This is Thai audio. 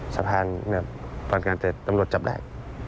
สะพานฟันกันแต่ตำรวจจับแหลก